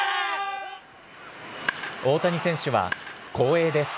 大谷選手は、光栄です。